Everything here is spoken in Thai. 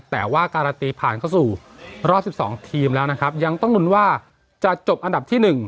แต่ว่าการาตรีผ่านเข้าสู่รอบสิบสองทีมแล้วนะครับยังต้องหนุนว่าจะจบอันดับที่หนึ่ง